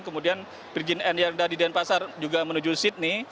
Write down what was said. kemudian virgin n yang dari denpasar juga menuju sydney